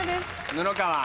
布川。